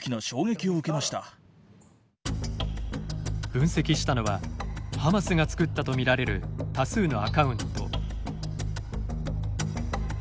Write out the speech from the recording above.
分析したのはハマスが作ったとみられる多数のアカウント。